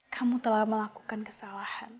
kamu telah melakukan kesalahan